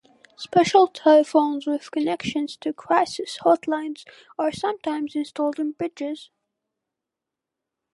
Special telephones with connections to crisis hotlines are sometimes installed on bridges.